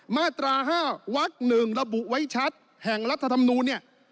มาตรา๕วัก๑ระบุไว้ชัดแห่งรัฐธรรมนูลเนี่ย